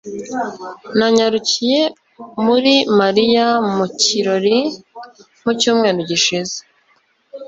Nanyarukiye muri Mariya mu kirori mu cyumweru gishize.